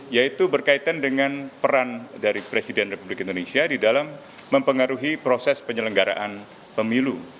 yaitu berkaitan dengan peran dari presiden republik indonesia di dalam mempengaruhi proses penyelenggaraan pemilu